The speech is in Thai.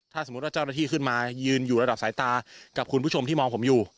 ถ้าสมมุติว่าเจ้าหน้าที่ขึ้นมายืนอยู่ระดับสายตากับคุณผู้ชมที่มองผมอยู่